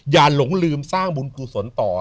หลงลืมสร้างบุญกุศลต่อ